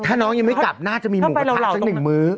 ถ้าน้องยังไม่กลับน่าจะมีหมูกระทะสักหนึ่งมื้อ